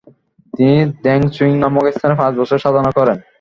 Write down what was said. তিনি দ্ব্যে-ছুং নামক স্থানে পাঁচ বছর সাধনা করেন।